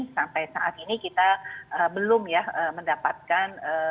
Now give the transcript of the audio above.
sampai saat ini kita belum ya mendapatkan